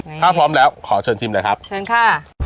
ถ้าพร้อมแล้วขอเชิญชิมเลยครับเชิญค่ะ